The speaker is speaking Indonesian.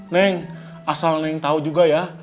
neng asal neng tahu juga ya